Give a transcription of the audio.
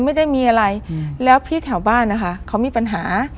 ไม่ได้มีอะไรแล้วพี่แถวบ้านนะคะเขามีปัญหา